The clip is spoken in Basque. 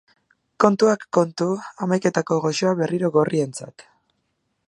Kontuak kontu, hamaiketako goxoa berriro gorrientzat.